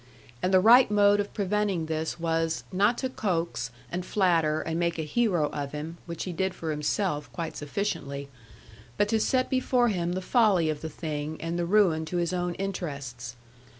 And the right mode of preventing this was, not to coax, and flatter, and make a hero of him (which he did for himself, quite sufficiently), but to set before him the folly of the thing, and the ruin to his own interests.